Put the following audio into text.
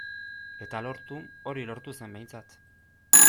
Eta lortu, hori lortu zen behintzat.